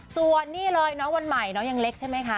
ส่วนนี้เลยเนาะวันใหม่เนาะยังเล็กใช่ไหมคะ